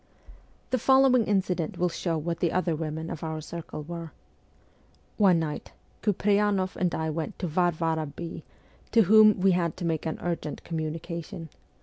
The following incident will show what the other women of our circle were. One night, Kupreyanoff and I went to Varvara B., to whom we had to make an urgent communication.